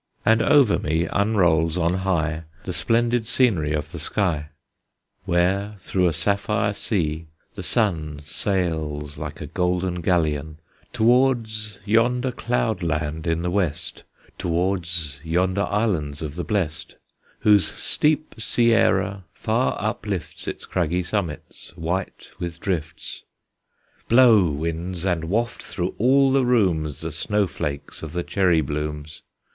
And over me unrolls on high The splendid scenery of the sky, Where through a sapphire sea the sun Sails like a golden galleon, Towards yonder cloud land in the West, Towards yonder Islands of the Blest, Whose steep sierra far uplifts Its craggy summits white with drifts. Blow, winds! and waft through all the rooms The snow flakes of the cherry blooms!